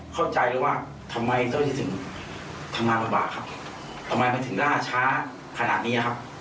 เข้าใจเลยว่าทำไมเจ้าที่ถึงทำงานลำบากครับทำไมมันถึงล่าช้าขนาดนี้ครับ